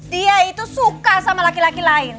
dia itu suka sama laki laki lain